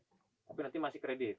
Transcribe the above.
tapi nanti masih kredit